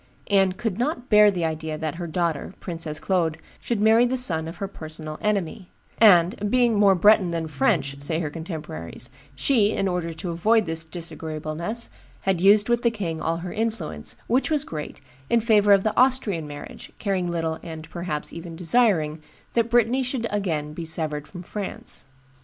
Anne could not bear the idea that her daughter, Princess Claude, should marry the son of her personal enemy; and, being more Breton than French, say her contemporaries, she, in order to avoid this disagreeableness, had used with the king all her influence, which was great, in favor of the Austrian marriage, caring little, and, perhaps, even desiring, that Brittany should be again severed from France.